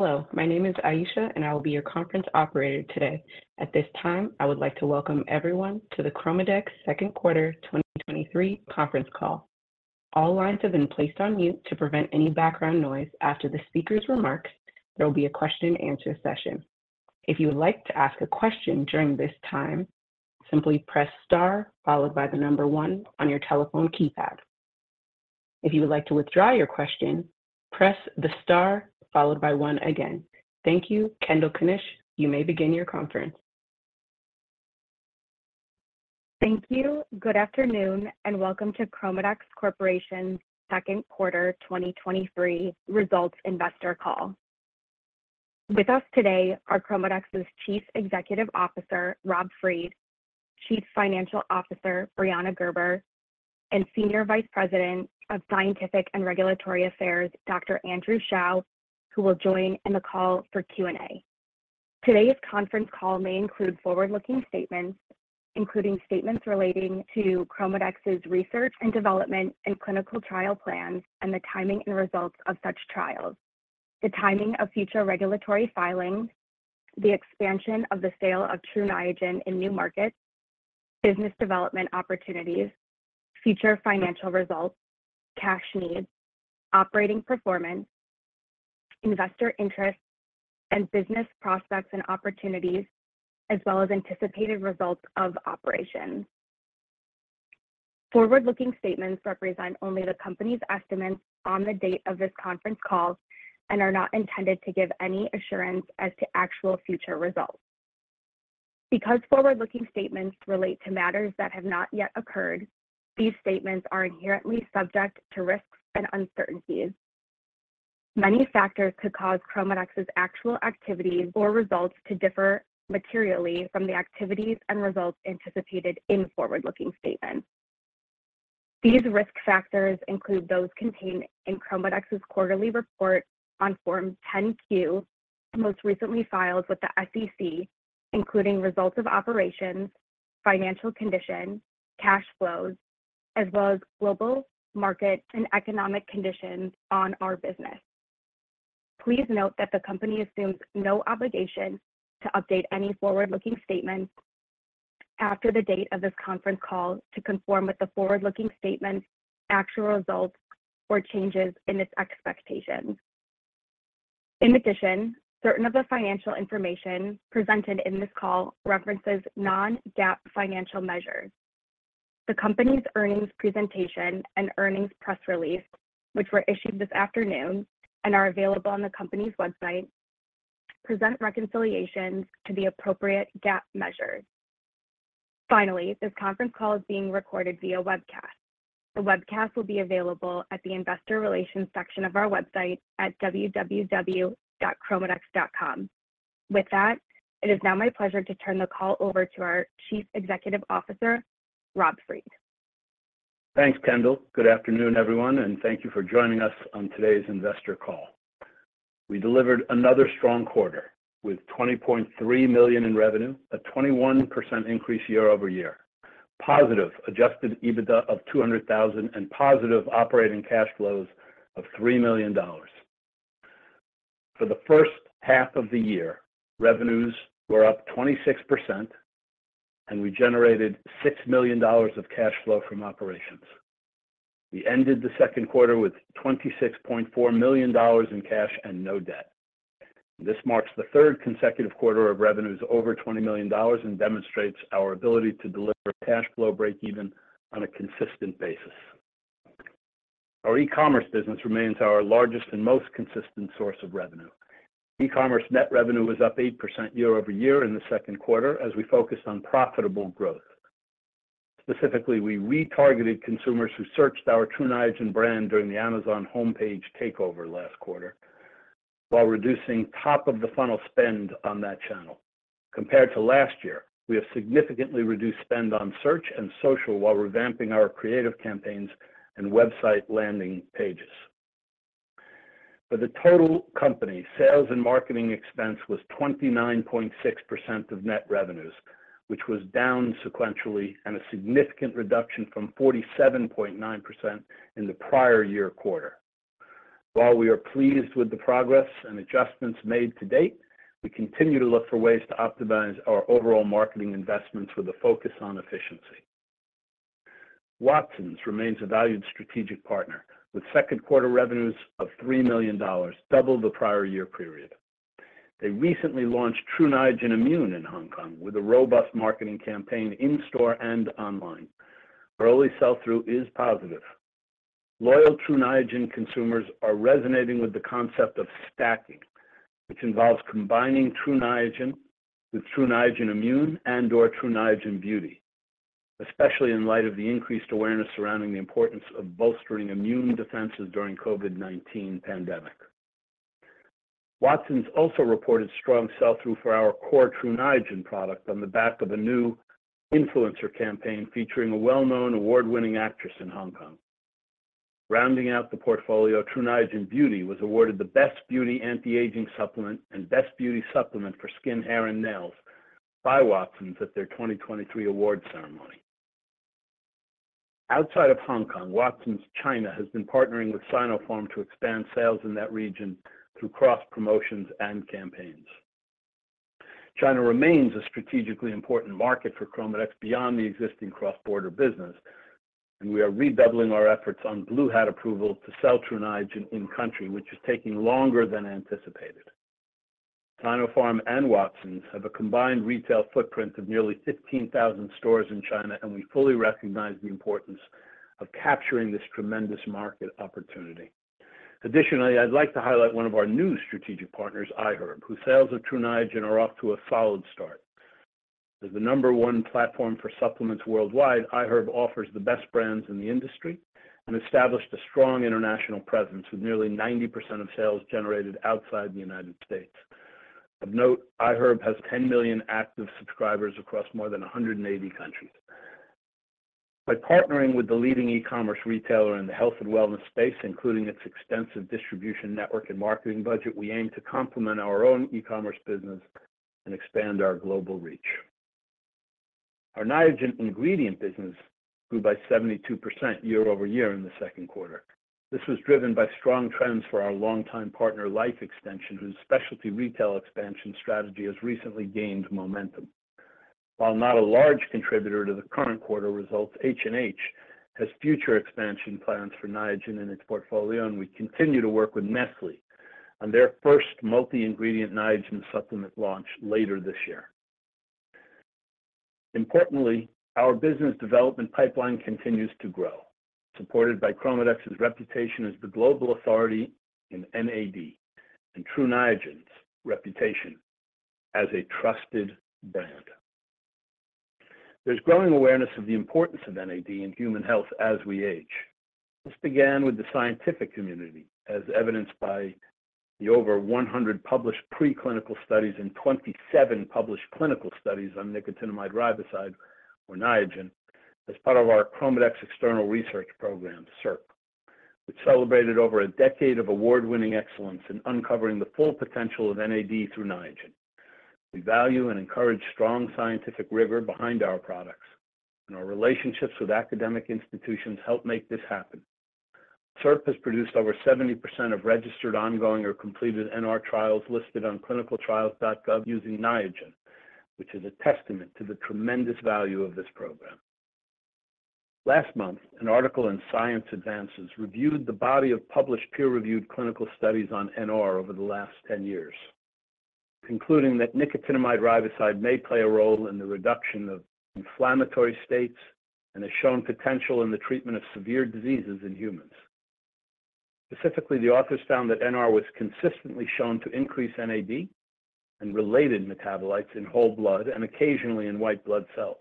Hello, my name is Aisha, and I will be your conference operator today. At this time, I would like to welcome everyone to the ChromaDex Second Quarter 2023 conference call. All lines have been placed on mute to prevent any background noise. After the speaker's remarks, there will be a question and answer session. If you would like to ask a question during this time, simply press star followed by the number one on your telephone keypad. If you would like to withdraw your question, press the star followed by one again. Thank you. Kendall Knysch, you may begin your conference. Thank you. Good afternoon, and welcome to ChromaDex Corporation's Second Quarter 2023 Results Investor Call. With us today are ChromaDex's Chief Executive Officer, Rob Fried; Chief Financial Officer, Brianna Gerber; and Senior Vice President of Scientific and Regulatory Affairs, Dr. Andrew Shao, who will join in the call for Q&A. Today's conference call may include forward-looking statements, including statements relating to ChromaDex's research and development and clinical trial plans and the timing and results of such trials, the timing of future regulatory filings, the expansion of the sale of Tru Niagen in new markets, business development opportunities, future financial results, cash needs, operating performance, investor interest, and business prospects and opportunities, as well as anticipated results of operations. Forward-looking statements represent only the company's estimates on the date of this conference call and are not intended to give any assurance as to actual future results. Because forward-looking statements relate to matters that have not yet occurred, these statements are inherently subject to risks and uncertainties. Many factors could cause ChromaDex's actual activities or results to differ materially from the activities and results anticipated in forward-looking statements. These risk factors include those contained in ChromaDex's quarterly report on Form 10-Q, most recently filed with the SEC, including results of operations, financial condition, cash flows, as well as global market and economic conditions on our business. Please note that the company assumes no obligation to update any forward-looking statements after the date of this conference call to conform with the forward-looking statement, actual results, or changes in its expectations. In addition, certain of the financial information presented in this call references non-GAAP financial measures. The company's earnings presentation and earnings press release, which were issued this afternoon and are available on the company's website, present reconciliations to the appropriate GAAP measures. Finally, this conference call is being recorded via webcast. The webcast will be available at the investor relations section of our website at www.chromadex.com. With that, it is now my pleasure to turn the call over to our Chief Executive Officer, Rob Fried. Thanks, Kendall. Good afternoon, everyone, thank you for joining us on today's investor call. We delivered another strong quarter with $20.3 million in revenue, a 21% increase year-over-year, positive adjusted EBITDA of $200,000, and positive operating cash flows of $3 million. For the first half of the year, revenues were up 26%, and we generated $6 million of cash flow from operations. We ended the second quarter with $26.4 million in cash and no debt. This marks the third consecutive quarter of revenues over $20 million and demonstrates our ability to deliver cash flow breakeven on a consistent basis. Our e-commerce business remains our largest and most consistent source of revenue. E-commerce net revenue was up 8% year-over-year in the second quarter as we focused on profitable growth. Specifically, we retargeted consumers who searched our Tru Niagen brand during the Amazon homepage takeover last quarter while reducing top-of-the-funnel spend on that channel. Compared to last year, we have significantly reduced spend on search and social while revamping our creative campaigns and website landing pages. For the total company, sales and marketing expense was 29.6% of net revenues, which was down sequentially and a significant reduction from 47.9% in the prior year quarter. While we are pleased with the progress and adjustments made to date, we continue to look for ways to optimize our overall marketing investments with a focus on efficiency. Watsons remains a valued strategic partner, with second quarter revenues of $3 million, double the prior year period. They recently launched Tru Niagen Immune in Hong Kong with a robust marketing campaign in-store and online. Early sell-through is positive. Loyal Tru Niagen consumers are resonating with the concept of stacking, which involves combining Tru Niagen with Tru Niagen Immune and/or Tru Niagen Beauty, especially in light of the increased awareness surrounding the importance of bolstering immune defenses during COVID-19 pandemic. Watsons also reported strong sell-through for our core Tru Niagen product on the back of a new influencer campaign featuring a well-known award-winning actress in Hong Kong. Rounding out the portfolio, Tru Niagen Beauty was awarded the Best Beauty Anti-Aging Supplement and Best Beauty Supplement for Skin, Hair, and Nails by Watsons at their 2023 awards ceremony. Outside of Hong Kong, Watsons China has been partnering with Sinopharm to expand sales in that region through cross promotions and campaigns. China remains a strategically important market for ChromaDex beyond the existing cross-border business. We are redoubling our efforts on Blue Hat approval to sell Tru Niagen in country, which is taking longer than anticipated. Sinopharm and Watsons have a combined retail footprint of nearly 15,000 stores in China. We fully recognize the importance of capturing this tremendous market opportunity. Additionally, I'd like to highlight one of our new strategic partners, iHerb, whose sales of Tru Niagen are off to a solid start. As the number one platform for supplements worldwide, iHerb offers the best brands in the industry and established a strong international presence, with nearly 90% of sales generated outside the United States. Of note, iHerb has 10 million active subscribers across more than 180 countries. By partnering with the leading e-commerce retailer in the health and wellness space, including its extensive distribution network and marketing budget, we aim to complement our own e-commerce business and expand our global reach. Our Niagen ingredient business grew by 72% year-over-year in the second quarter. This was driven by strong trends for our longtime partner, Life Extension, whose specialty retail expansion strategy has recently gained momentum. While not a large contributor to the current quarter results, H&H has future expansion plans for Niagen in its portfolio, and we continue to work with Nestlé on their first multi-ingredient Niagen supplement launch later this year. Importantly, our business development pipeline continues to grow, supported by ChromaDex's reputation as the global authority in NAD and Tru Niagen's reputation as a trusted brand. There's growing awareness of the importance of NAD in human health as we age. This began with the scientific community, as evidenced by the over 100 published preclinical studies and 27 published clinical studies on nicotinamide riboside, or Niagen, as part of our ChromaDex External Research Program, CERP, which celebrated over a decade of award-winning excellence in uncovering the full potential of NAD through Niagen. We value and encourage strong scientific rigor behind our products, and our relationships with academic institutions help make this happen. CERP has produced over 70% of registered, ongoing, or completed NR trials listed on ClinicalTrials.gov using Niagen, which is a testament to the tremendous value of this program. Last month, an article in Science Advances reviewed the body of published peer-reviewed clinical studies on NR over the last 10 years, concluding that nicotinamide riboside may play a role in the reduction of inflammatory states and has shown potential in the treatment of severe diseases in humans. Specifically, the authors found that NR was consistently shown to increase NAD and related metabolites in whole blood and occasionally in white blood cells.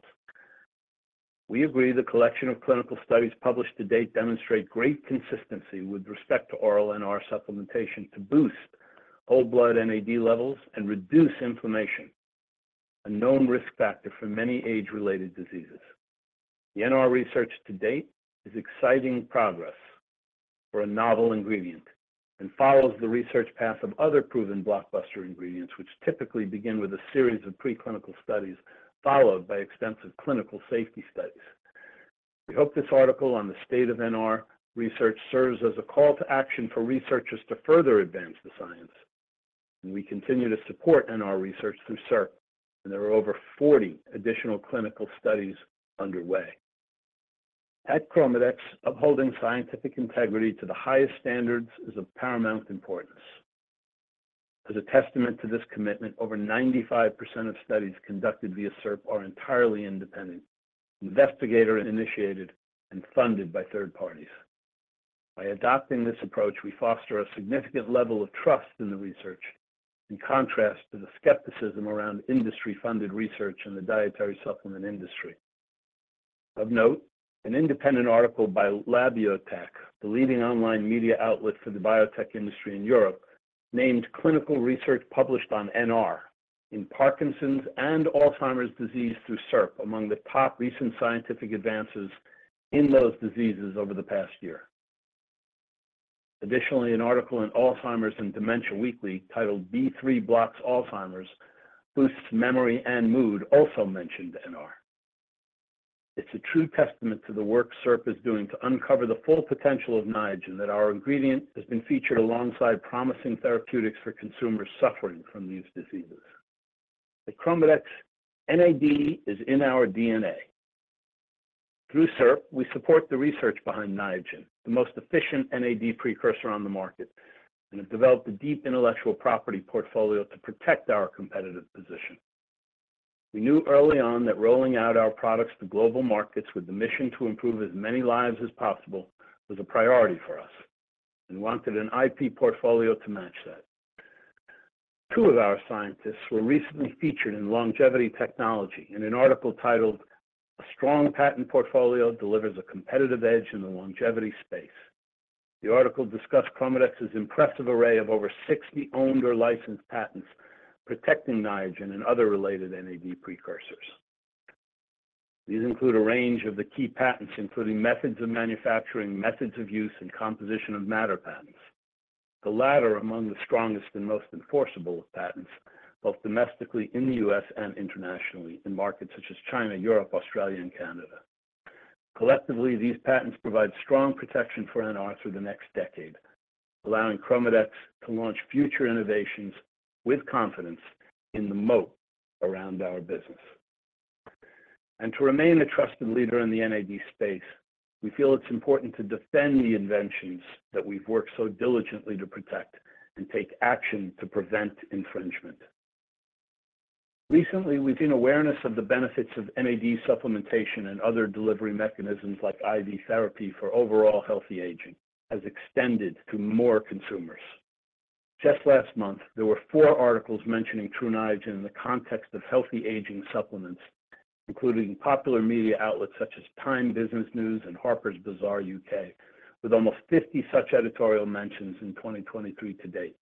We agree the collection of clinical studies published to date demonstrate great consistency with respect to oral NR supplementation to boost whole blood NAD levels and reduce inflammation, a known risk factor for many age-related diseases. The NR research to date is exciting progress for a novel ingredient and follows the research path of other proven blockbuster ingredients, which typically begin with a series of preclinical studies, followed by extensive clinical safety studies. We hope this article on the state of NR research serves as a call to action for researchers to further advance the science, and we continue to support NR research through CERP, and there are over 40 additional clinical studies underway. At ChromaDex, upholding scientific integrity to the highest standards is of paramount importance. As a testament to this commitment, over 95% of studies conducted via CERP are entirely independent, investigator initiated, and funded by third parties. By adopting this approach, we foster a significant level of trust in the research, in contrast to the skepticism around industry-funded research in the dietary supplement industry. Of note, an independent article by Labiotech, the leading online media outlet for the biotech industry in Europe, named clinical research published on NR in Parkinson's and Alzheimer's disease through CERP among the top recent scientific advances in those diseases over the past year. Additionally, an article in Alzheimer's & Dementia Weekly titled B3 Blocks Alzheimer's, Boosts Memory and Mood, also mentioned NR. It's a true testament to the work CERP is doing to uncover the full potential of Niagen, that our ingredient has been featured alongside promising therapeutics for consumers suffering from these diseases. At ChromaDex, NAD is in our DNA. Through CERP, we support the research behind Niagen, the most efficient NAD precursor on the market, and have developed a deep intellectual property portfolio to protect our competitive position. We knew early on that rolling out our products to global markets with the mission to improve as many lives as possible was a priority for us. We wanted an IP portfolio to match that. Two of our scientists were recently featured in Longevity.Technology in an article titled, "A Strong Patent Portfolio Delivers a Competitive Edge in the Longevity Space." The article discussed ChromaDex's impressive array of over 60 owned or licensed patents protecting Niagen and other related NAD precursors. These include a range of the key patents, including methods of manufacturing, methods of use, and composition of matter patents. The latter among the strongest and most enforceable of patents, both domestically in the US and internationally, in markets such as China, Europe, Australia, and Canada. Collectively, these patents provide strong protection for NR through the next decade, allowing ChromaDex to launch future innovations with confidence in the moat around our business. To remain a trusted leader in the NAD space, we feel it's important to defend the inventions that we've worked so diligently to protect and take action to prevent infringement. Recently, we've seen awareness of the benefits of NAD supplementation and other delivery mechanisms like IV therapy for overall healthy aging, has extended to more consumers. Just last month, there were four articles mentioning Tru Niagen in the context of healthy aging supplements, including popular media outlets such as Time, Business Insider, and Harper's Bazaar UK, with almost 50 such editorial mentions in 2023 to date.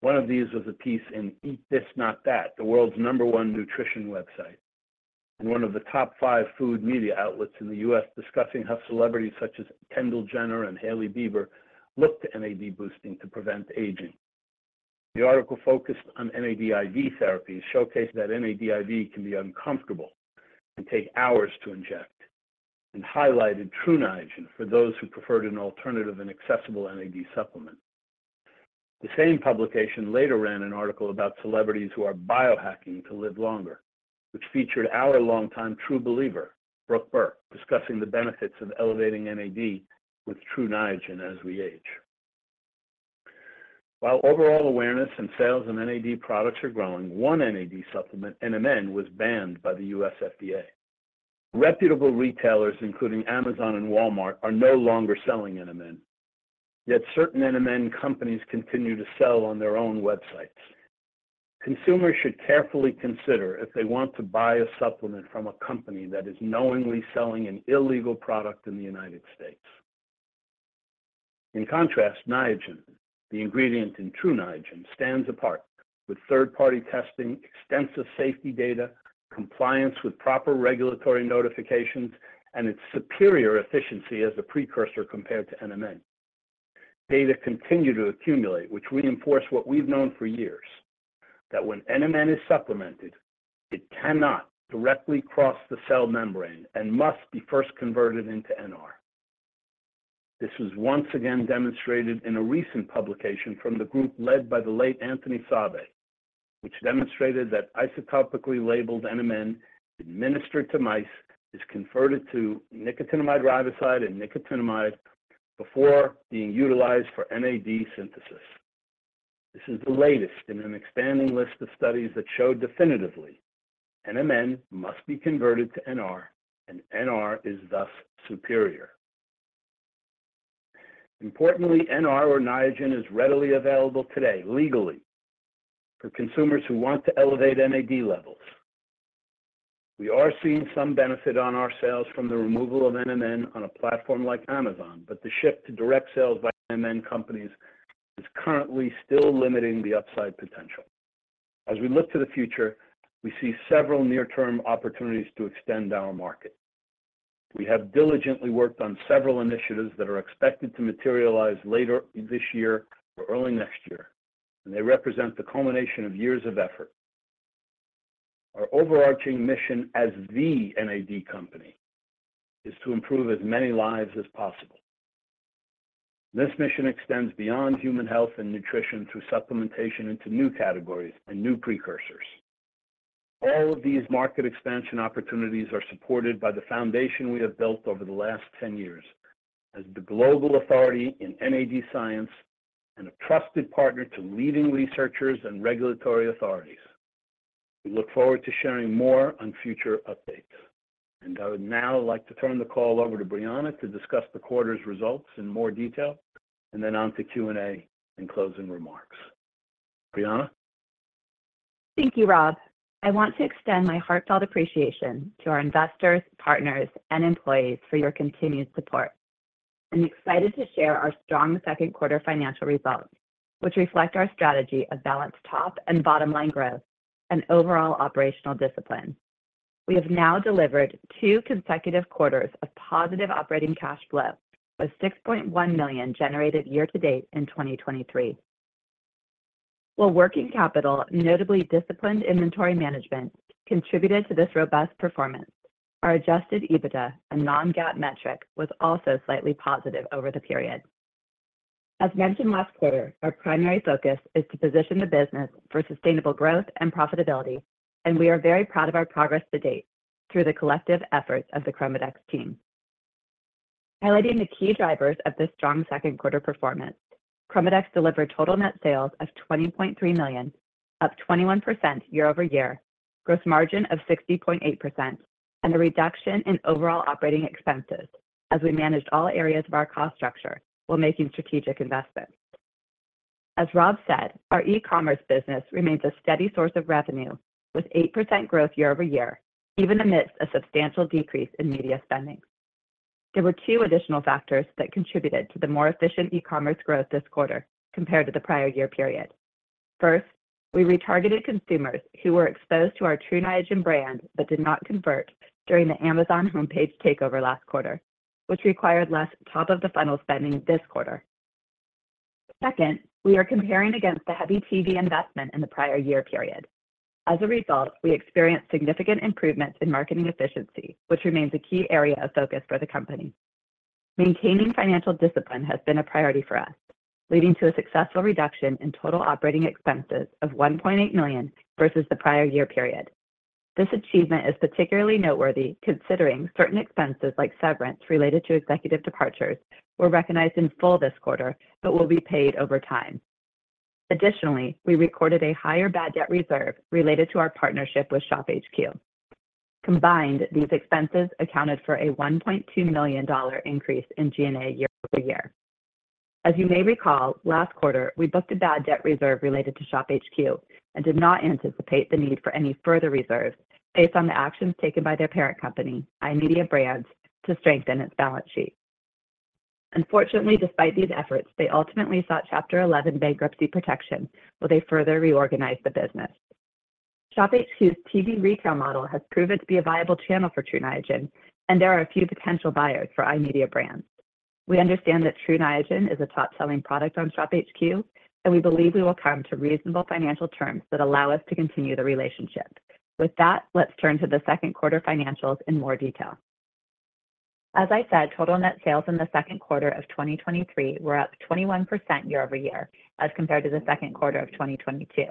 One of these was a piece in Eat This, Not That!, the world's number one nutrition website, and one of the top five food media outlets in the US, discussing how celebrities such as Kendall Jenner and Hailey Bieber look to NAD boosting to prevent aging. The article focused on NAD IV therapy, showcasing that NAD IV can be uncomfortable and take hours to inject, and highlighted Tru Niagen for those who preferred an alternative and accessible NAD supplement. The same publication later ran an article about celebrities who are biohacking to live longer, which featured our longtime true believer, Brooke Burke, discussing the benefits of elevating NAD with Tru Niagen as we age. While overall awareness and sales in NAD products are growing, one NAD supplement, NMN, was banned by the US FDA. Reputable retailers, including Amazon and Walmart, are no longer selling NMN, yet certain NMN companies continue to sell on their own websites. Consumers should carefully consider if they want to buy a supplement from a company that is knowingly selling an illegal product in the United States. In contrast, Niagen, the ingredient in Tru Niagen, stands apart with third-party testing, extensive safety data, compliance with proper regulatory notifications, and its superior efficiency as a precursor compared to NMN. Data continue to accumulate, which reinforce what we've known for years, that when NMN is supplemented, it cannot directly cross the cell membrane and must be first converted into NR. This was once again demonstrated in a recent publication from the group led by the late Anthony Sauvé, which demonstrated that isotopically labeled NMN administered to mice is converted to nicotinamide riboside and nicotinamide before being utilized for NAD synthesis. This is the latest in an expanding list of studies that show definitively NMN must be converted to NR, and NR is thus superior. Importantly, NR or Niagen is readily available today, legally, for consumers who want to elevate NAD levels. We are seeing some benefit on our sales from the removal of NMN on a platform like Amazon, but the shift to direct sales by NMN companies is currently still limiting the upside potential. As we look to the future, we see several near-term opportunities to extend our market. We have diligently worked on several initiatives that are expected to materialize later this year or early next year. They represent the culmination of years of effort. Our overarching mission as the NAD company is to improve as many lives as possible. This mission extends beyond human health and nutrition through supplementation into new categories and new precursors. All of these market expansion opportunities are supported by the foundation we have built over the last 10 years as the global authority in NAD science and a trusted partner to leading researchers and regulatory authorities. We look forward to sharing more on future updates. I would now like to turn the call over to Brianna to discuss the quarter's results in more detail, and then on to Q&A and closing remarks. Brianna? Thank you, Rob. I want to extend my heartfelt appreciation to our investors, partners, and employees for your continued support. I'm excited to share our strong second quarter financial results, which reflect our strategy of balanced top and bottom-line growth and overall operational discipline. We have now delivered two consecutive quarters of positive operating cash flow, with $6.1 million generated year to date in 2023. While working capital, notably disciplined inventory management, contributed to this robust performance, our adjusted EBITDA, a non-GAAP metric, was also slightly positive over the period. As mentioned last quarter, our primary focus is to position the business for sustainable growth and profitability, and we are very proud of our progress to date through the collective efforts of the ChromaDex team. Highlighting the key drivers of this strong second quarter performance, ChromaDex delivered total net sales of $20.3 million, up 21% year-over-year, gross margin of 60.8%, and a reduction in overall operating expenses as we managed all areas of our cost structure while making strategic investments. As Rob Fried said, our e-commerce business remains a steady source of revenue, with 8% growth year-over-year, even amidst a substantial decrease in media spending. There were two additional factors that contributed to the more efficient e-commerce growth this quarter compared to the prior year period. First, we retargeted consumers who were exposed to our Tru Niagen brand, but did not convert during the Amazon homepage takeover last quarter, which required less top-of-the-funnel spending this quarter. Second, we are comparing against the heavy TV investment in the prior year period. As a result, we experienced significant improvements in marketing efficiency, which remains a key area of focus for the company. Maintaining financial discipline has been a priority for us, leading to a successful reduction in total operating expenses of $1.8 million versus the prior year period. This achievement is particularly noteworthy, considering certain expenses like severance related to executive departures, were recognized in full this quarter, but will be paid over time. Additionally, we recorded a higher bad debt reserve related to our partnership with ShopHQ. Combined, these expenses accounted for a $1.2 million increase in G&A year over year. As you may recall, last quarter, we booked a bad debt reserve related to ShopHQ and did not anticipate the need for any further reserves based on the actions taken by their parent company, iMedia Brands, to strengthen its balance sheet. Unfortunately, despite these efforts, they ultimately sought Chapter 11 bankruptcy protection, while they further reorganized the business. ShopHQ's TV retail model has proven to be a viable channel for Tru Niagen, there are a few potential buyers for iMedia Brands. We understand that Tru Niagen is a top-selling product on ShopHQ, we believe we will come to reasonable financial terms that allow us to continue the relationship. With that, let's turn to the second quarter financials in more detail. As I said, total net sales in the second quarter of 2023 were up 21% year-over-year as compared to the second quarter of 2022,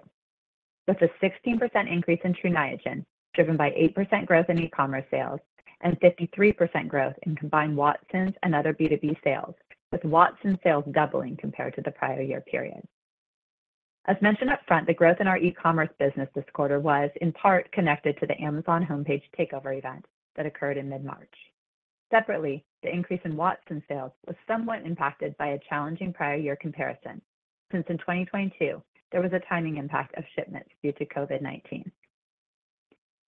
with a 16% increase in Tru Niagen, driven by 8% growth in e-commerce sales and 53% growth in combined Watsons and other B2B sales, with Watson sales doubling compared to the prior year period. As mentioned upfront, the growth in our e-commerce business this quarter was in part connected to the Amazon homepage takeover event that occurred in mid-March. Separately, the increase in Watsons sales was somewhat impacted by a challenging prior year comparison, since in 2022, there was a timing impact of shipments due to COVID-19.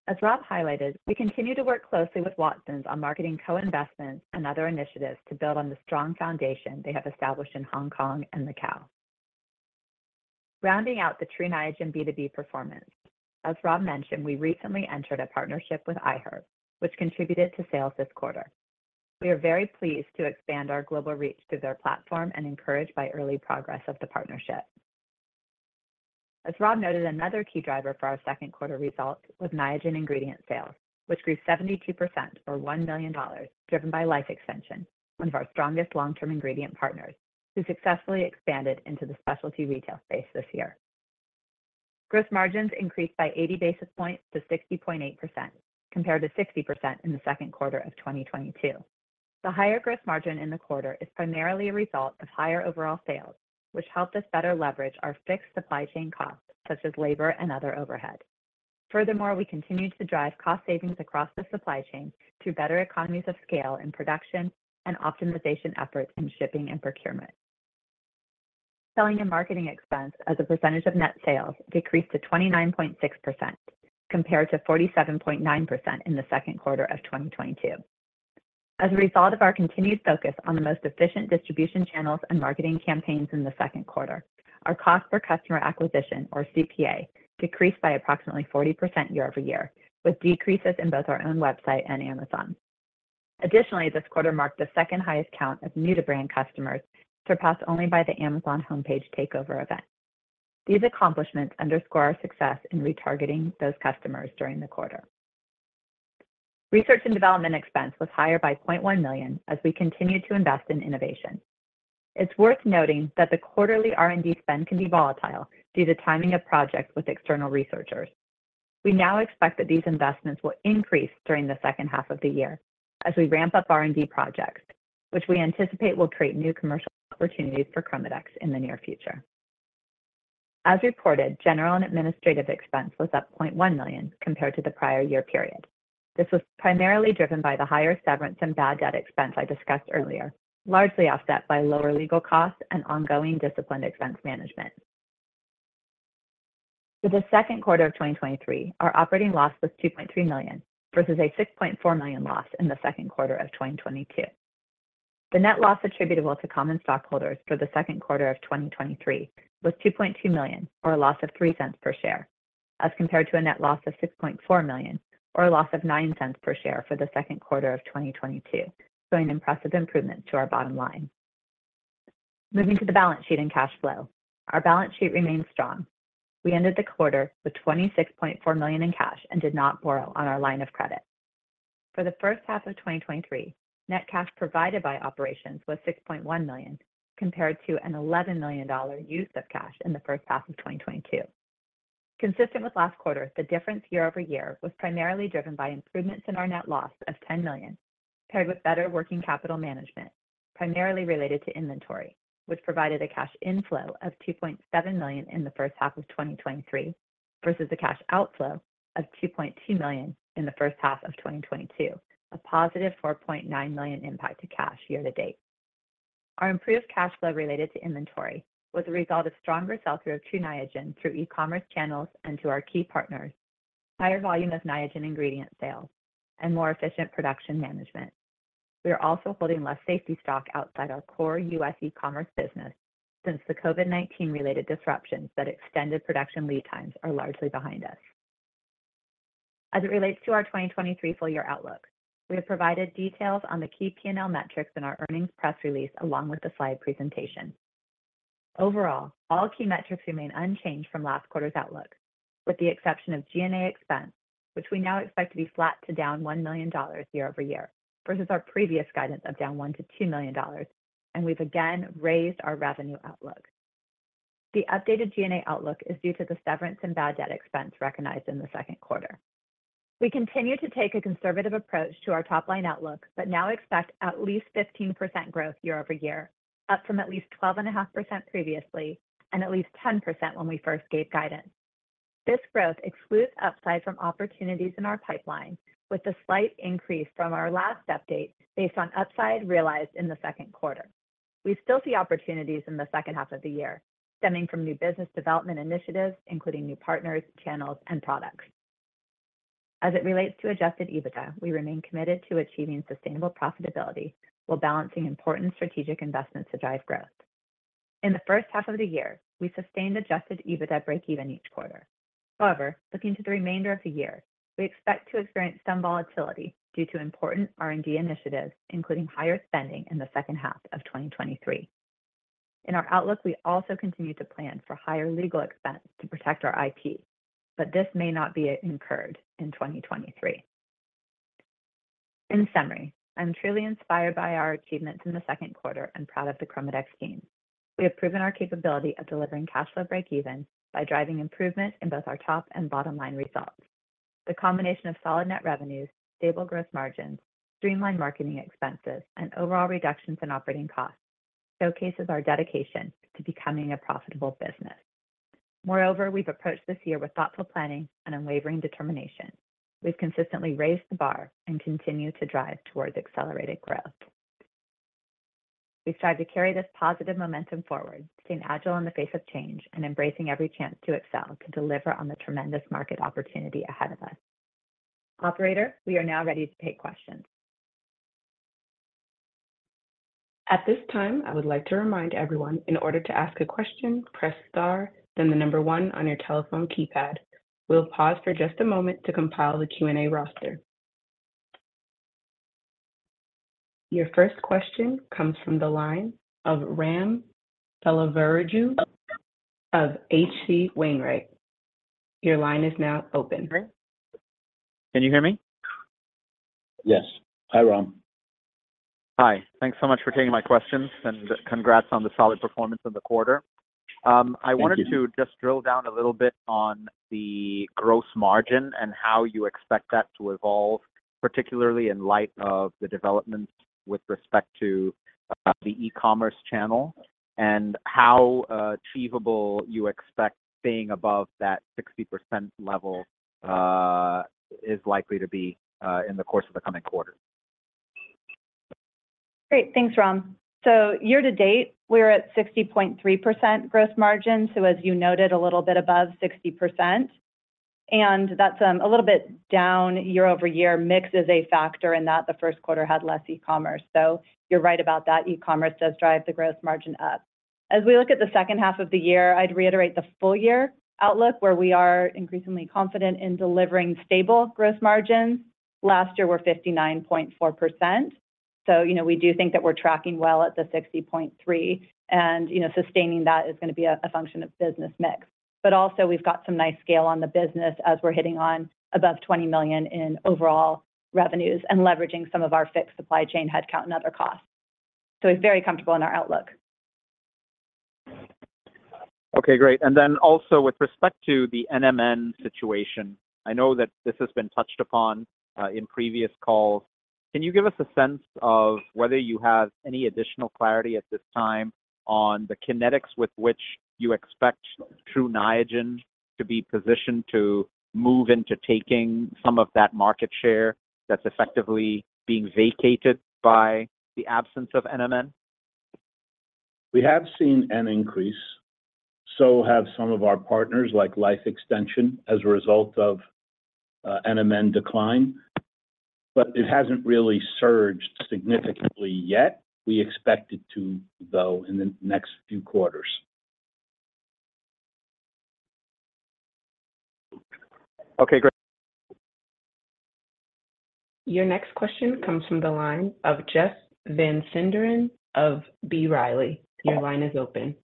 As Rob highlighted, we continue to work closely with Watsons on marketing co-investments and other initiatives to build on the strong foundation they have established in Hong Kong and Macau. Rounding out the Tru Niagen B2B performance, as Rob mentioned, we recently entered a partnership with iHerb, which contributed to sales this quarter. We are very pleased to expand our global reach through their platform and encouraged by early progress of the partnership. As Rob noted, another key driver for our second quarter results was Niagen ingredient sales, which grew 72% or $1 million, driven by Life Extension, one of our strongest long-term ingredient partners, who successfully expanded into the specialty retail space this year. Gross margins increased by 80 basis points to 60.8%, compared to 60% in the second quarter of 2022. The higher gross margin in the quarter is primarily a result of higher overall sales, which helped us better leverage our fixed supply chain costs, such as labor and other overhead. Furthermore, we continued to drive cost savings across the supply chain through better economies of scale in production and optimization efforts in shipping and procurement. Selling and marketing expense as a percentage of net sales decreased to 29.6%, compared to 47.9% in the second quarter of 2022. As a result of our continued focus on the most efficient distribution channels and marketing campaigns in the second quarter, our cost for customer acquisition, or CPA, decreased by approximately 40% year-over-year, with decreases in both our own website and Amazon. Additionally, this quarter marked the second highest count of new-to-brand customers, surpassed only by the Amazon homepage takeover event. These accomplishments underscore our success in retargeting those customers during the quarter. Research and development expense was higher by $0.1 million as we continued to invest in innovation. It's worth noting that the quarterly R&D spend can be volatile due to timing of projects with external researchers. We now expect that these investments will increase during the second half of the year as we ramp up R&D projects, which we anticipate will create new commercial opportunities for ChromaDex in the near future. As reported, general and administrative expense was up $0.1 million compared to the prior year period. This was primarily driven by the higher severance and bad debt expense I discussed earlier, largely offset by lower legal costs and ongoing disciplined expense management. For the second quarter of 2023, our operating loss was $2.3 million, versus a $6.4 million loss in the second quarter of 2022. The net loss attributable to common stockholders for the second quarter of 2023 was $2.2 million, or a loss of $0.03 per share, as compared to a net loss of $6.4 million, or a loss of $0.09 per share for the second quarter of 2022, showing impressive improvement to our bottom line. Moving to the balance sheet and cash flow. Our balance sheet remains strong. We ended the quarter with $26.4 million in cash and did not borrow on our line of credit. For the first half of 2023, net cash provided by operations was $6.1 million, compared to an $11 million use of cash in the first half of 2022. Consistent with last quarter, the difference year-over-year was primarily driven by improvements in our net loss of $10 million, paired with better working capital management, primarily related to inventory, which provided a cash inflow of $2.7 million in the first half of 2023, versus a cash outflow of $2.2 million in the first half of 2022, a positive $4.9 million impact to cash year-to-date. Our improved cash flow related to inventory was a result of stronger sell-through of Tru Niagen through e-commerce channels and to our key partners, higher volume of Niagen ingredient sales, and more efficient production management. We are also holding less safety stock outside our core U.S. e-commerce business, since the COVID-19 related disruptions that extended production lead times are largely behind us. As it relates to our 2023 full year outlook, we have provided details on the key P&L metrics in our earnings press release, along with the slide presentation. Overall, all key metrics remain unchanged from last quarter's outlook, with the exception of G&A expense, which we now expect to be flat to down $1 million year-over-year, versus our previous guidance of down $1 million-$2 million. We've again raised our revenue outlook. The updated G&A outlook is due to the severance and bad debt expense recognized in the second quarter. We continue to take a conservative approach to our top-line outlook, now expect at least 15% growth year-over-year, up from at least 12.5% previously and at least 10% when we first gave guidance. This growth excludes upside from opportunities in our pipeline, with a slight increase from our last update based on upside realized in the 2nd quarter. We still see opportunities in the 2nd half of the year, stemming from new business development initiatives, including new partners, channels, and products. As it relates to adjusted EBITDA, we remain committed to achieving sustainable profitability while balancing important strategic investments to drive growth. In the 1st half of the year, we sustained adjusted EBITDA breakeven each quarter. Looking to the remainder of the year, we expect to experience some volatility due to important R&D initiatives, including higher spending in the 2nd half of 2023. In our outlook, we also continue to plan for higher legal expenses to protect our IP, but this may not be incurred in 2023. In summary, I'm truly inspired by our achievements in the second quarter and proud of the ChromaDex team. We have proven our capability of delivering cash flow breakeven by driving improvement in both our top and bottom line results. The combination of solid net revenues, stable growth margins, streamlined marketing expenses, and overall reductions in operating costs showcases our dedication to becoming a profitable business. Moreover, we've approached this year with thoughtful planning and unwavering determination. We've consistently raised the bar and continue to drive towards accelerated growth. We strive to carry this positive momentum forward, staying agile in the face of change and embracing every chance to excel, to deliver on the tremendous market opportunity ahead of us. Operator, we are now ready to take questions. At this time, I would like to remind everyone, in order to ask a question, press star, then 1 on your telephone keypad. We'll pause for just a moment to compile the Q&A roster. Your first question comes from the line of Ram Selvaraju of H.C. Wainwright. Your line is now open. Can you hear me? Yes. Hi, Ram. Hi. Thanks so much for taking my questions, and congrats on the solid performance in the quarter. Thank you. I wanted to just drill down a little bit on the gross margin and how you expect that to evolve, particularly in light of the developments with respect to the e-commerce channel, and how achievable you expect being above that 60% level is likely to be in the course of the coming quarter? Great. Thanks, Ram. Year-to-date, we're at 60.3% gross margin, as you noted, a little bit above 60%, and that's a little bit down year-over-year. Mix is a factor in that. The first quarter had less e-commerce, you're right about that. E-commerce does drive the gross margin up. As we look at the second half of the year, I'd reiterate the full-year outlook, where we are increasingly confident in delivering stable gross margins. Last year, were 59.4%. You know, we do think that we're tracking well at the 60.3, and, you know, sustaining that is gonna be a function of business mix. Also, we've got some nice scale on the business as we're hitting on above $20 million in overall revenues and leveraging some of our fixed supply chain, headcount, and other costs. We're very comfortable in our outlook. Okay, great. Also with respect to the NMN situation, I know that this has been touched upon in previous calls. Can you give us a sense of whether you have any additional clarity at this time on the kinetics with which you expect Tru Niagen to be positioned to move into taking some of that market share that's effectively being vacated by the absence of NMN? We have seen an increase, so have some of our partners, like Life Extension, as a result of NMN decline, but it hasn't really surged significantly yet. We expect it to, though, in the next few quarters. Okay, great. Your next question comes from the line of Jeff Van Sinderen of B. Riley. Your line is open.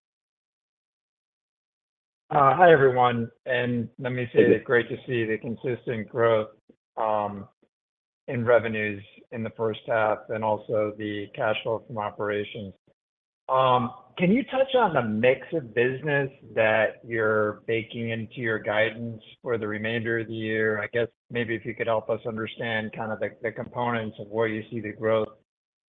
Hi, everyone, let me. Hey... it's great to see the consistent growth in revenues in the first half and also the cash flow from operations. Can you touch on the mix of business that you're baking into your guidance for the remainder of the year? I guess maybe if you could help us understand kind of the, the components of where you see the growth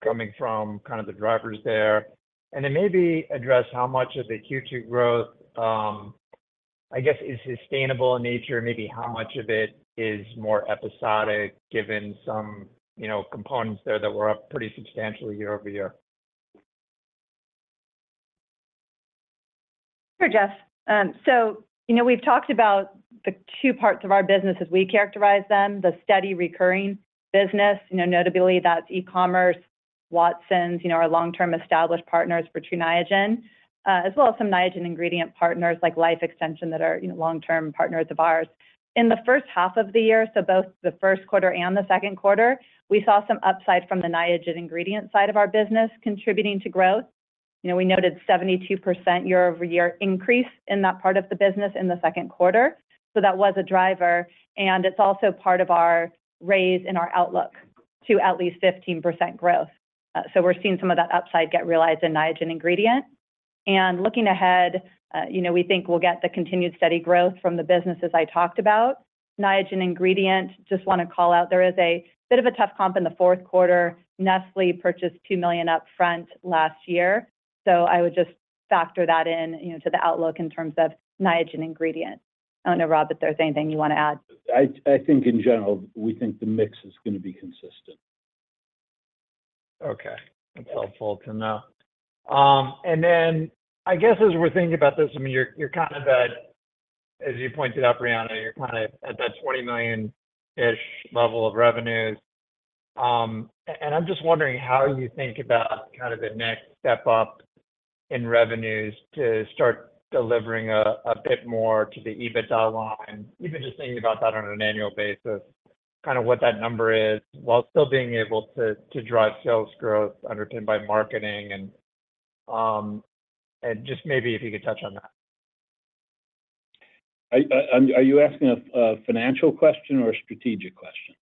coming from, kind of the drivers there. Then maybe address how much of the Q2 growth, I guess is sustainable in nature, and maybe how much of it is more episodic, given some, you know, components there that were up pretty substantially year-over-year? Sure, Jeff. So, you know, we've talked about the two parts of our business as we characterize them, the steady recurring business. You know, notably, that's e-commerce, Watsons, you know, our long-term established partners for Tru Niagen, as well as some Niagen ingredient partners like Life Extension, that are, you know, long-term partners of ours. In the first half of the year, so both the first quarter and the second quarter, we saw some upside from the Niagen ingredient side of our business, contributing to growth. You know, we noted 72% year-over-year increase in that part of the business in the second quarter, so that was a driver, and it's also part of our raise in our outlook to at least 15% growth. We're seeing some of that upside get realized in Niagen ingredient. Looking ahead, you know, we think we'll get the continued steady growth from the businesses I talked about. Niagen ingredient, just wanna call out, there is a bit of a tough comp in the fourth quarter. Nestlé purchased $2 million upfront last year, so I would just factor that in, you know, to the outlook in terms of Niagen ingredient. I don't know, Rob, if there's anything you want to add. I, I think in general, we think the mix is gonna be consistent. Okay, that's helpful to know. I guess, as we're thinking about this, I mean, you're, you're kind of at, as you pointed out, Brianna, you're kind of at that $20 million-ish level of revenues. I'm just wondering how you think about kind of the next step up in revenues to start delivering a, a bit more to the EBITDA line. Even just thinking about that on an annual basis, kind of what that number is, while still being able to, to drive sales growth underpinned by marketing, just maybe if you could touch on that. Are, are, are you asking a, a financial question or a strategic question?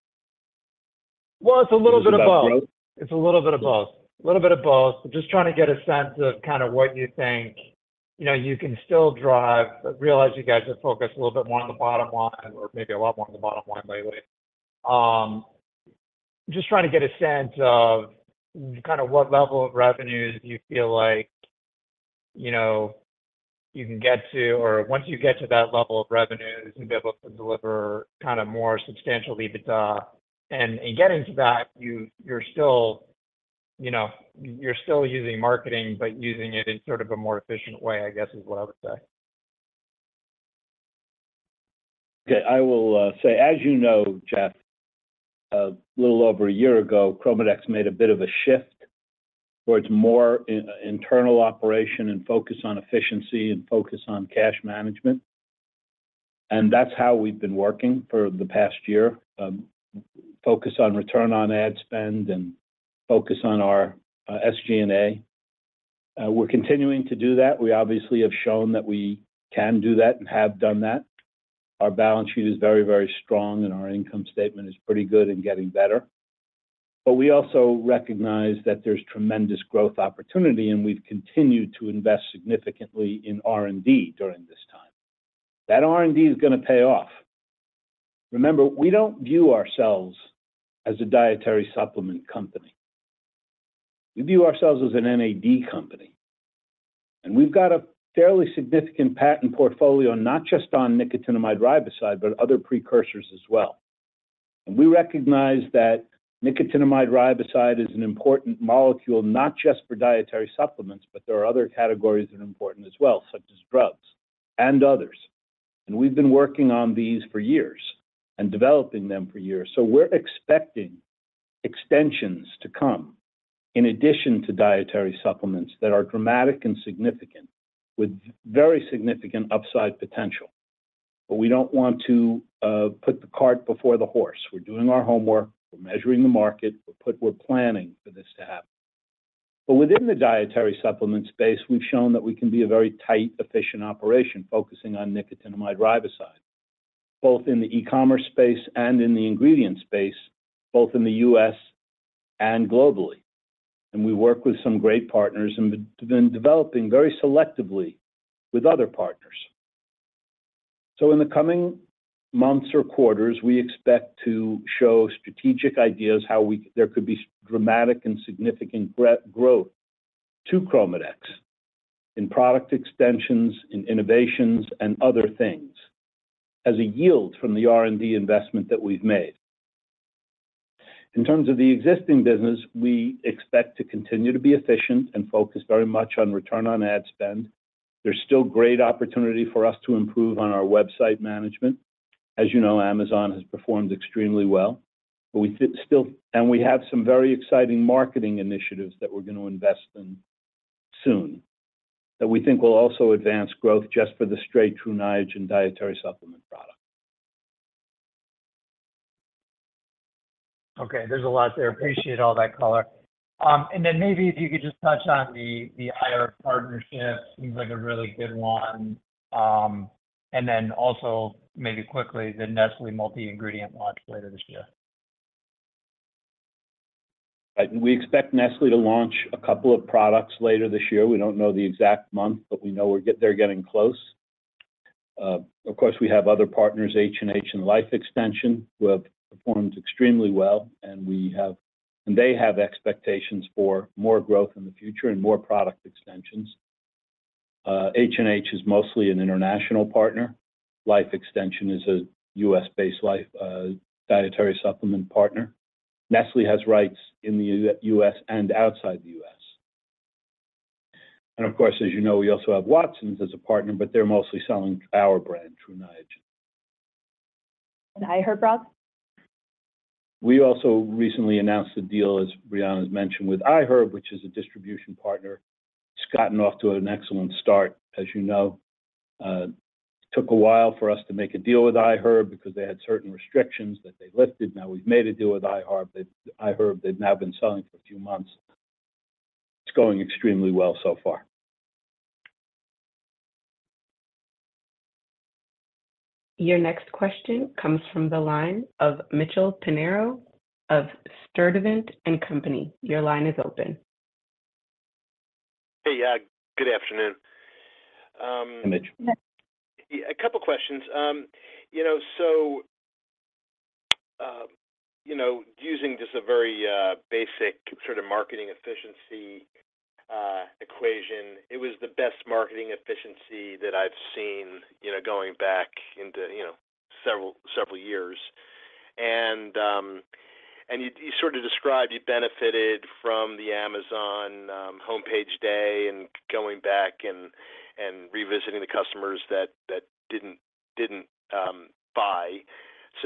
Well, it's a little bit of both. About growth? It's a little bit of both. Little bit of both. Just trying to get a sense of kind of what you think, you know, you can still drive... I realize you guys are focused a little bit more on the bottom line or maybe a lot more on the bottom line lately. Just trying to get a sense of kind of what level of revenues you feel like, you know, you can get to, or once you get to that level of revenues, you'll be able to deliver kind of more substantial EBITDA. In getting to that, you, you're still, you know, you're still using marketing, but using it in sort of a more efficient way, I guess, is what I would say. Okay, I will say, as you know, Jeff, a little over a year ago, ChromaDex made a bit of a shift towards more internal operation and focus on efficiency and focus on cash management. That's how we've been working for the past year. Focus on return on ad spend and focus on our SG&A. We're continuing to do that. We obviously have shown that we can do that and have done that. Our balance sheet is very, very strong, and our income statement is pretty good and getting better. We also recognize that there's tremendous growth opportunity. We've continued to invest significantly in R&D during this time. That R&D is gonna pay off. Remember, we don't view ourselves as a dietary supplement company. We view ourselves as an NAD company. We've got a fairly significant patent portfolio, not just on nicotinamide riboside, but other precursors as well. We recognize that nicotinamide riboside is an important molecule, not just for dietary supplements, but there are other categories that are important as well, such as drugs and others. We've been working on these for years and developing them for years. We're expecting extensions to come, in addition to dietary supplements, that are dramatic and significant, with very significant upside potential. We don't want to put the cart before the horse. We're doing our homework. We're measuring the market. We're planning for this to happen. Within the dietary supplement space, we've shown that we can be a very tight, efficient operation, focusing on nicotinamide riboside, both in the e-commerce space and in the ingredient space, both in the US and globally. We work with some great partners and have been developing very selectively with other partners. In the coming months or quarters, we expect to show strategic ideas how there could be dramatic and significant growth to ChromaDex in product extensions, in innovations, and other things, as a yield from the R&D investment that we've made. In terms of the existing business, we expect to continue to be efficient and focused very much on return on ad spend. There's still great opportunity for us to improve on our website management. As you know, Amazon has performed extremely well, but we still. We have some very exciting marketing initiatives that we're going to invest in soon, that we think will also advance growth just for the straight Tru Niagen dietary supplement product. Okay, there's a lot there. Appreciate all that color. Maybe if you could just touch on the, the IR partnership, seems like a really good one. Also, maybe quickly, the Nestlé multi-ingredient launch later this year. We expect Nestlé to launch a couple of products later this year. We don't know the exact month, but we know they're getting close. Of course, we have other partners, H&H and Life Extension, who have performed extremely well, and they have expectations for more growth in the future and more product extensions. H&H is mostly an international partner. Life Extension is a US-based dietary supplement partner. Nestlé has rights in the US and outside the US. Of course, as you know, we also have Watsons as a partner, but they're mostly selling our brand, Tru Niagen. iHerb, Rob? We also recently announced a deal, as Brianna's mentioned, with iHerb, which is a distribution partner. It's gotten off to an excellent start. As you know, took a while for us to make a deal with iHerb because they had certain restrictions that they lifted. Now, we've made a deal with iHerb, that iHerb, they've now been selling for a few months. It's going extremely well so far. Your next question comes from the line of Mitchell Pinheiro of Sturdivant & Co. Your line is open. Hey, yeah, good afternoon. Hey, Mitch. Yeah, a couple questions. You know, so, you know, using just a very basic sort of marketing efficiency equation, it was the best marketing efficiency that I've seen, you know, going back into, you know, several, several years. You, you sort of described you benefited from the Amazon homepage day, and going back and, and revisiting the customers that, that didn't, didn't buy.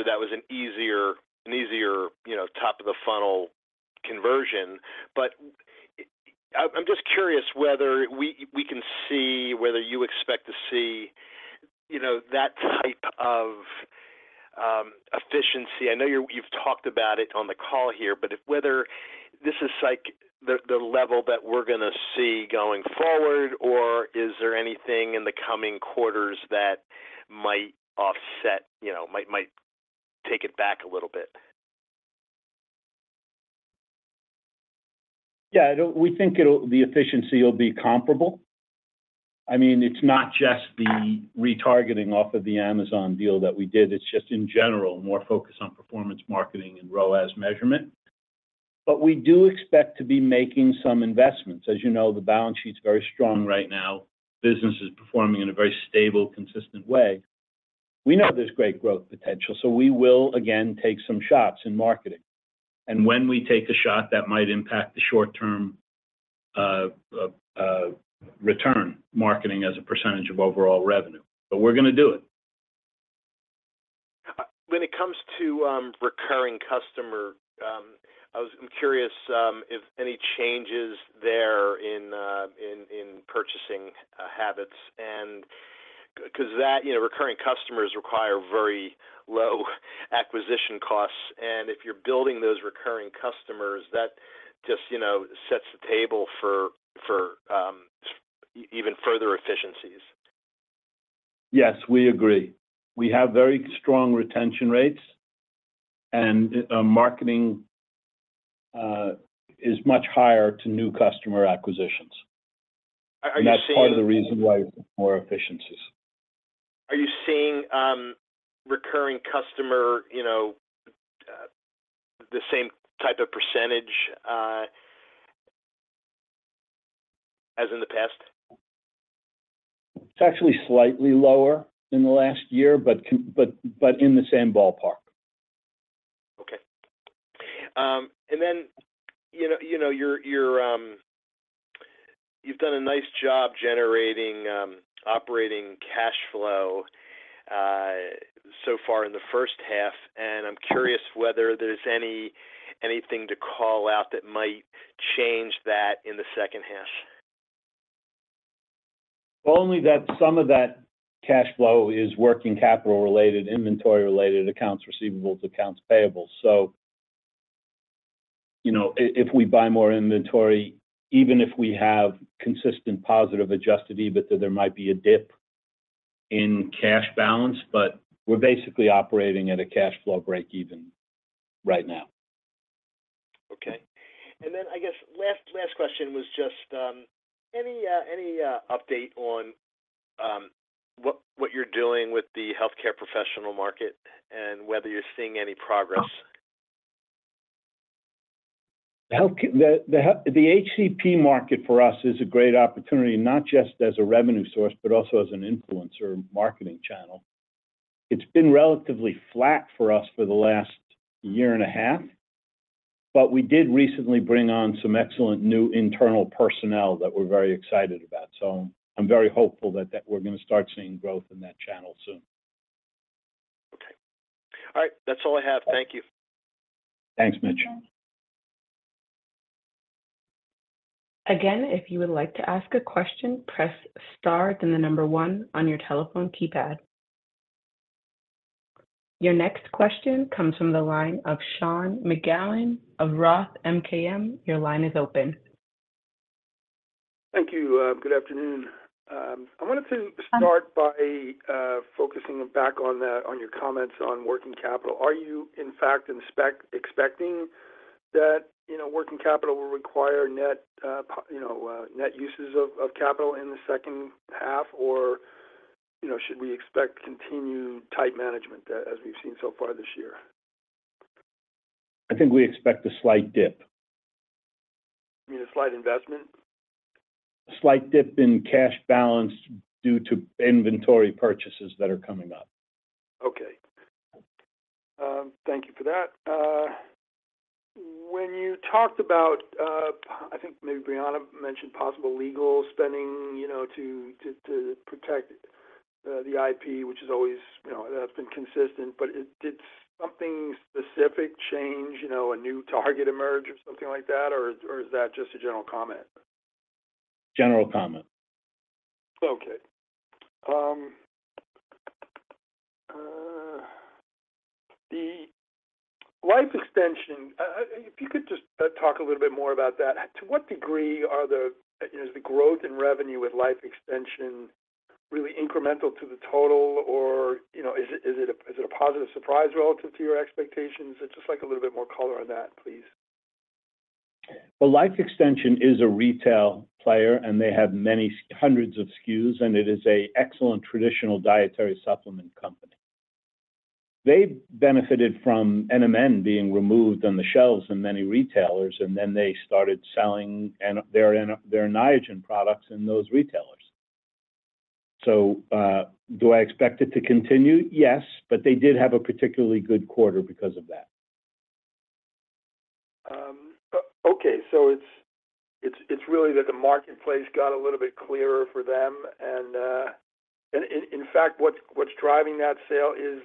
That was an easier, an easier, you know, top-of-the-funnel conversion. I, I'm just curious whether we, we can see whether you expect to see, you know, that type of efficiency. I know you've talked about it on the call here, but if whether this is, like, the, the level that we're gonna see going forward, or is there anything in the coming quarters that might offset, you know, might take it back a little bit? We think it'll, the efficiency will be comparable. I mean, it's not just the retargeting off of the Amazon deal that we did. It's just, in general, more focused on performance marketing and ROAS measurement. We do expect to be making some investments. As you know, the balance sheet's very strong right now. Business is performing in a very stable, consistent way. We know there's great growth potential, we will again take some shots in marketing. When we take a shot, that might impact the short-term return marketing as a % of overall revenue, but we're gonna do it. When it comes to recurring customer, I'm curious if any changes there in purchasing habits. Because that, you know, recurring customers require very low acquisition costs, and if you're building those recurring customers, that just, you know, sets the table for even further efficiencies. Yes, we agree. We have very strong retention rates, and marketing is much higher to new customer acquisitions. Are you seeing- That's part of the reason why more efficiencies. Are you seeing, recurring customer, you know, the same type of percentage, as in the past? It's actually slightly lower in the last year, but in the same ballpark. Okay. Then, you know, you're, you're. You've done a nice job generating operating cash flow so far in the first half. I'm curious whether there's anything to call out that might change that in the second half. Only that some of that cash flow is working capital-related, inventory-related, accounts receivables, accounts payable. You know, if we buy more inventory, even if we have consistent positive adjusted EBITDA, there might be a dip in cash balance, but we're basically operating at a cash flow break even right now. Okay. Then, I guess, last, last question was just, any, any update on what, what you're doing with the healthcare professional market and whether you're seeing any progress? The HCP market for us is a great opportunity, not just as a revenue source, but also as an influencer marketing channel. It's been relatively flat for us for the last year and a half, but we did recently bring on some excellent new internal personnel that we're very excited about. I'm very hopeful that we're gonna start seeing growth in that channel soon. Okay. All right. That's all I have. Thank you. Thanks, Mitch. Again, if you would like to ask a question, press star, then the one on your telephone keypad. Your next question comes from the line of Sean McGowan of Roth MKM. Your line is open. Thank you. good afternoon. I wanted to- Hi... start by focusing back on the, on your comments on working capital. Are you, in fact, expecting that, you know, working capital will require net, you know, net uses of capital in the second half? Should we expect continued tight management as we've seen so far this year? I think we expect a slight dip. You mean a slight investment? Slight dip in cash balance due to inventory purchases that are coming up. Okay. Thank you for that. When you talked about, I think maybe Brianna mentioned possible legal spending, you know, to, to, to protect, the IP, which is always, you know, that's been consistent, but did something specific change, you know, a new target emerge or something like that, or, or is that just a general comment? General comment. Okay. The Life Extension, if you could just talk a little bit more about that. To what degree is the growth in revenue with Life Extension really incremental to the total? You know, is it, is it a, is it a positive surprise relative to your expectations? It's just like a little bit more color on that, please. Life Extension is a retail player, and they have many hundreds of SKUs, and it is a excellent traditional dietary supplement company. They benefited from NMN being removed on the shelves in many retailers, and then they started selling their, their Niagen products in those retailers. Do I expect it to continue? Yes, they did have a particularly good quarter because of that. Okay, it's, it's, it's really that the marketplace got a little bit clearer for them, and in fact, what's, what's driving that sale is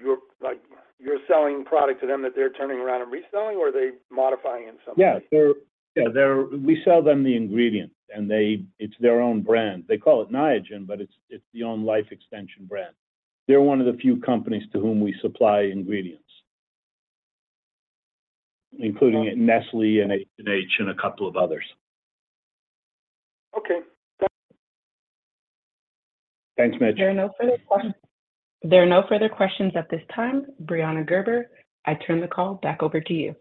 you're like, you're selling product to them that they're turning around and reselling, or are they modifying in some way? We sell them the ingredient, and it's their own brand. They call it Niagen, but it's the own Life Extension brand. They're one of the few companies to whom we supply ingredients, including Nestlé and H&H and a couple of others. Okay. Thanks, Mitch. There are no further questions. There are no further questions at this time. Brianna Gerber, I turn the call back over to you.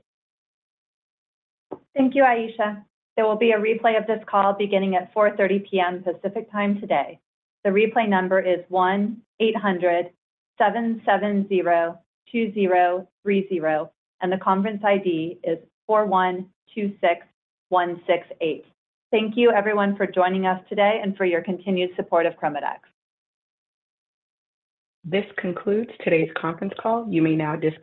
Thank you, Aisha. There will be a replay of this call beginning at 4:30 P.M. Pacific Time today. The replay number is 1-800-770-2030. The conference ID is 4126168. Thank you everyone for joining us today and for your continued support of ChromaDex. This concludes today's conference call. You may now disconnect.